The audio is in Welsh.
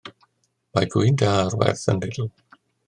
Mae gwin da ar werth yn Lidl.